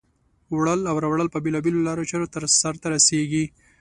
وړل او راوړل په بېلا بېلو لارو چارو سرته رسیږي.